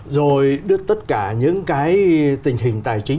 rồi đưa tất cả những cái tình hình tài chính